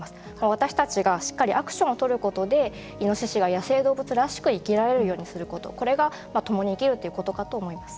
私たちが、しっかりアクションをとることでイノシシが野生動物らしく生きられるようにすることこれが共に生きるということかと思います。